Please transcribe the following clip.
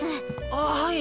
あっはい。